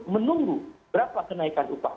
menunggu berapa kenaikan upah